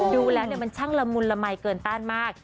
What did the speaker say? ดูแล้วมันช่างละมุนละมัยเกินต้านมาก